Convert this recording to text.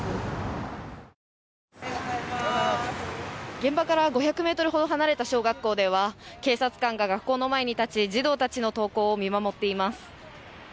現場から５００ｍほど離れた小学校では警察官が学校の前に立ち、児童たちの登校を見守っています。